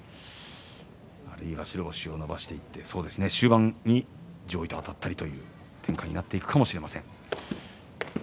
白星を伸ばしていって終盤に上位とあたったりという展開になっていくかもしれません。